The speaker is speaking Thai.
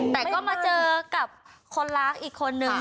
แต่ก็มาเจอกับคนรักอีกคนนึง